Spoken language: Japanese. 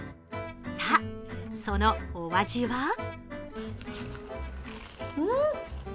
さあ、そのお味は？